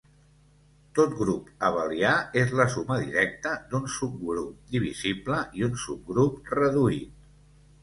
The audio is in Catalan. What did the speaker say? Tot grup abelià és la suma directa d'un subgrup divisible i un subgrup reduït.